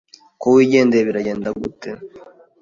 Ko wigendeye biragenda gute